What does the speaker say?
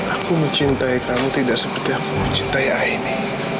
aku mencintai kamu tidak seperti aku mencintai aini